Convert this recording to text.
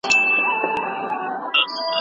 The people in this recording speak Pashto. په تېر کي د ازادي مطالعې مخه نيول سوې وه.